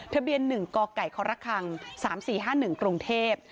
ทะเบียน๑กไก่ครค๓๔๕๑กรุงเทพ